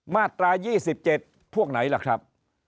มาตรา๒๗พวกไหนล่ะครับ